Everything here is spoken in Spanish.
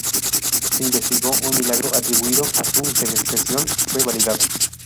Se investigó un milagro atribuido a su intercesión, y fue validado.